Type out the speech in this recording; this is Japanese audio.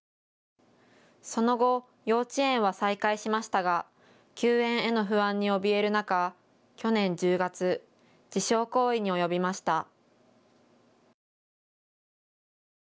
その後、幼稚園は再開しましたが休園への不安におびえる中、去年１０月、自傷行為に及びました。